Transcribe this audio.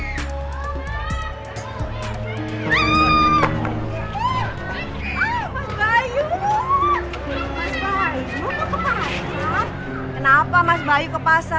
kenapa mas bayu ke pasar